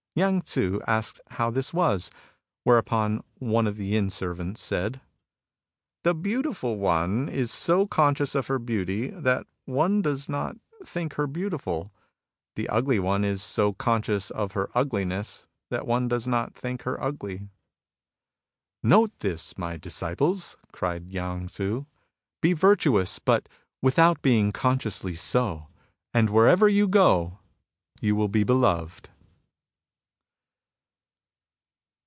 Yang Tzu asked how this was ; whereupon one of the inn servants said :" The beautiful one is so conscious of her beauty that one does not think 102 MUSINGS OF A CHINESE MYSTIC her beautiful. The ugly one is so conscious of her ugliness that one does not think her ugly." '' Note this, my disciples !" cried Yang Tzu. *' Be virtuous, but without being consciously so ; and wherever you go, you will be beloved."